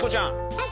はい！